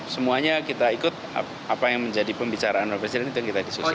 semuanya kita ikut apa yang menjadi pembicaraan bapak presiden itu yang kita diskusikan